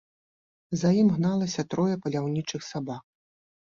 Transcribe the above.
За ім гналася трое паляўнічых сабак.